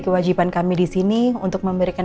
kewajiban kami disini untuk memberikan